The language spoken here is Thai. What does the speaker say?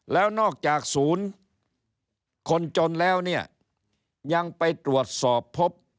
แล้วนอกจากศูนย์คนจนแล้วเนี่ยยังไปตรวจสอบพบ